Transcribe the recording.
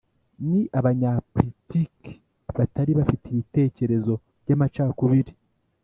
Ni abanyaplitiki batari bafite ibitekerezo by’amacakubiri.